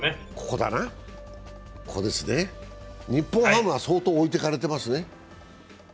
ここですね、日本ハムは相当置いてかれてますね。